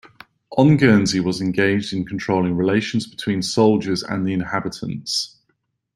On Guernsey was engaged in controlling relations between soldiers and the inhabitants.